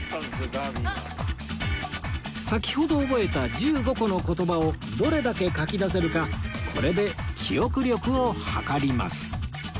先ほど覚えた１５個の言葉をどれだけ書き出せるかこれで記憶力を測ります